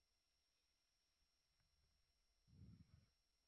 Wareno na Wahispania waliunda utawala wao kule Amerika